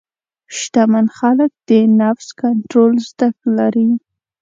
شتمن خلک د نفس کنټرول زده لري.